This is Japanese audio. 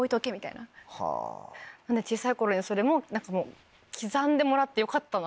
小さい頃それも刻んでもらってよかったな。